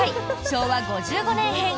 昭和５５年編。